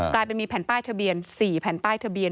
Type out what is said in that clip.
กลายเป็นมีแผ่นป้ายทะเบียน๔แผ่นป้ายทะเบียน